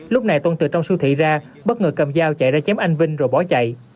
lúc này tuân từ trong siêu thị ra bất ngờ cầm dao chạy ra chém anh vinh rồi bỏ chạy